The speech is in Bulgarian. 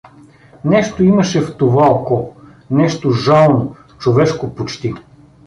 Нещо имаше в това око, нещо жално, човешко почти.